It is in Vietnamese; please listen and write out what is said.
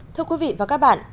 thưa quý vị và các bạn